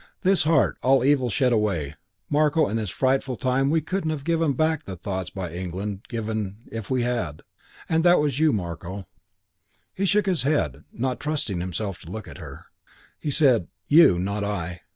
"'This heart, all evil shed away.' Marko, in this frightful time we couldn't have given back the thoughts by England given if we had. And that was you, Marko." He shook his head, not trusting himself to look at her. He said, "You. Not I.